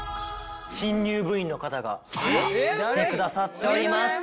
新入部員の方が来てくださっております。